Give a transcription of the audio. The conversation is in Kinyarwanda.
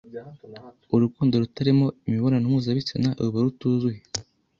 urukundo rutarimo imibonano mpuzabitsina ruba rutuzuye